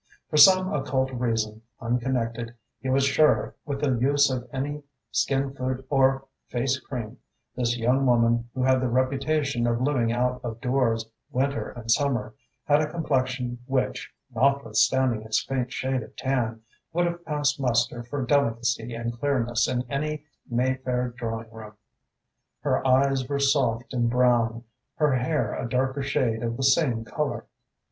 For some occult reason, unconnected, he was sure, with the use of any skin food or face cream, this young woman who had the reputation of living out of doors, winter and summer, had a complexion which, notwithstanding its faint shade of tan, would have passed muster for delicacy and clearness in any Mayfair drawing room. Her eyes were soft and brown, her hair a darker shade of the same colour.